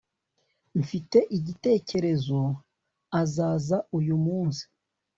mfite igitekerezo azaza uyu munsi